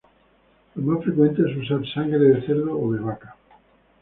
Lo más frecuente es usar sangre de cerdo o vaca.